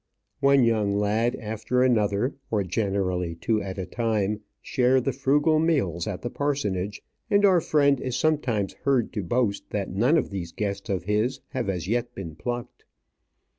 One young lad after another, or generally two at a time, share the frugal meals at the parsonage; and our friend is sometimes heard to boast that none of these guests of his have as yet been plucked.